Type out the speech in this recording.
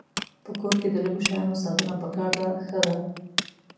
په کور کې د لږو شیانو ساتنه پکار ده ښه ده.